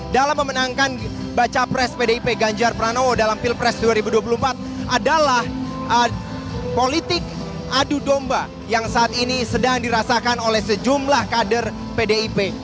dalam memenangkan baca pres pdip ganjar pranowo dalam pilpres dua ribu dua puluh empat adalah politik adu domba yang saat ini sedang dirasakan oleh sejumlah kader pdip